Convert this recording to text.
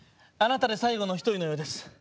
「あなたで最後の一人のようです。